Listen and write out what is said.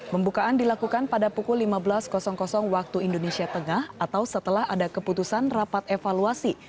pembukaan dilakukan pada pukul lima belas waktu indonesia tengah atau setelah ada keputusan rapat evaluasi